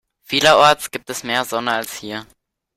Vielerorts gibt es mehr Sonne als hier.